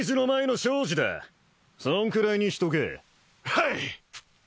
はい！